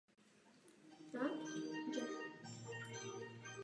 Působil v Paříži.